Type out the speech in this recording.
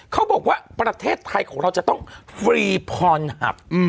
เขาบอกว่าประเทศไทยของเราจะต้องฟรีพรหับ